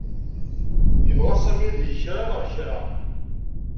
Yebɣa Sami ad yeg kra-neɣ-kra.